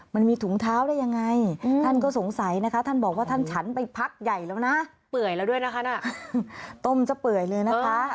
คือมันไม่ได้เป็นเศษเนอะอันนี้มาเป็นข้างไหมคะ